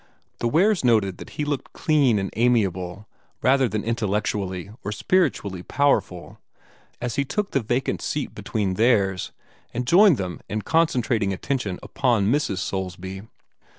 The Wares noted that he looked clean and amiable rather than intellectually or spiritually powerful, as he took the vacant seat between theirs, and joined them in concentrating attention upon Mrs. Soulsby.